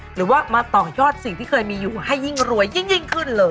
หรือว่ามาต่อยอดสิ่งที่เคยมีอยู่ให้ยิ่งรวยยิ่งขึ้นเลย